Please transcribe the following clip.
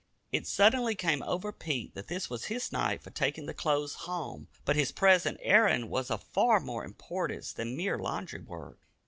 It suddenly came over Pete that this was his night for taking the clothes home, but his present errand was of far more importance than mere laundry work.